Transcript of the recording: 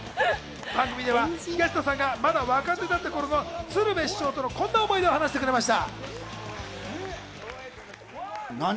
番組では東野さんがまだ若手だった頃の鶴瓶さんとのこんな思い出を話してくれました。